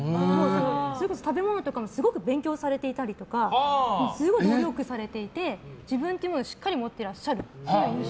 それこそ食べ物とかもすごく勉強されてたりとかすごく努力されていて自分というものをしっかり持ってらっしゃるという印象。